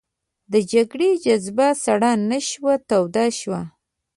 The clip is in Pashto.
د جګړې جذبه سړه نه شوه توده شوه.